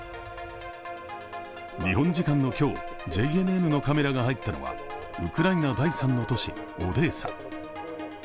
日本時間の今日、ＪＮＮのカメラが入ったのはウクライナ第３の都市オデーサ。